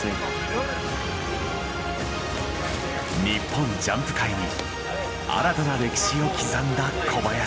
日本ジャンプ界に新たな歴史を刻んだ小林。